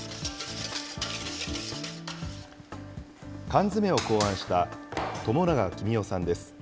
缶詰を考案した友永公生さんです。